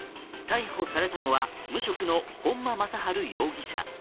逮捕されたのは無職の本間雅春容疑者。